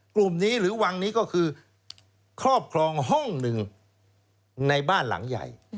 กลุ่มนี้หรือวังนี้ก็คือครอบครองห้องหนึ่งในบ้านหลังใหญ่